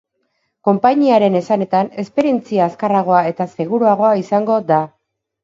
Konpainiaren esanetan, esperientzia azkarragoa eta seguruagoa izango da.